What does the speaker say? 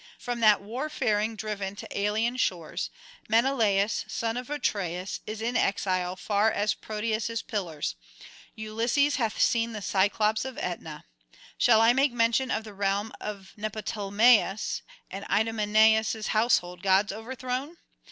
From that warfaring driven to alien shores, Menelaus son of Atreus is in exile far as Proteus' Pillars, Ulysses hath seen the Cyclopes of Aetna. Shall I make mention of the realm of Neoptolemus, and Idomeneus' household gods overthrown?